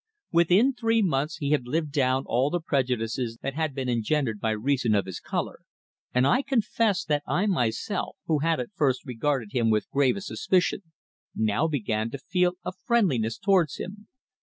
Within three months he had lived down all the prejudices that had been engendered by reason of his colour, and I confess that I myself, who had at first regarded him with gravest suspicion, now began to feel a friendliness towards him.